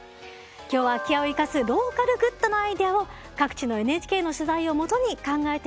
今日は空き家を生かすローカルグッドのアイデアを各地のＮＨＫの取材をもとに考えていきます。